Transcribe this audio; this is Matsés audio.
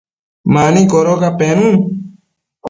mani codoca penun